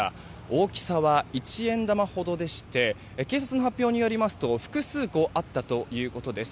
大きさは一円玉ほどでして警察の発表によりますと複数個あったということです。